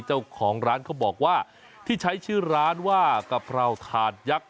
เจ้าของร้านเขาบอกว่าที่ใช้ชื่อร้านว่ากะเพราถาดยักษ์